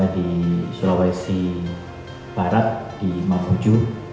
di sulawesi barat di mamuju